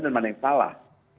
dan mana yang salah